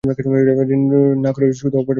ঋণ না শোধ করে হজ্বে যাওয়া গুনাহ।